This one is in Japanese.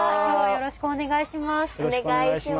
よろしくお願いします。